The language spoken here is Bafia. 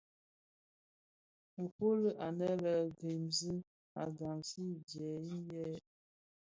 Nfuli anë lè Gremisse a ghaksi jèè yilè.